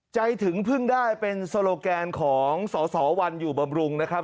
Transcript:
ถึงเพิ่งได้เป็นโซโลแกนของสสวันอยู่บำรุงนะครับ